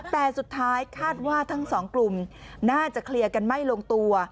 แต่สุดท้ายคาดว่าทั้งสองกลุ่มน่าจะเคลียร์กันไม่ลงตัว